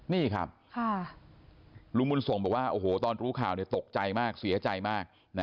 นี่ครับลุงบุญส่งบอกว่าโอ้โหตอนรู้ข่าวตกใจมากเสียใจมาก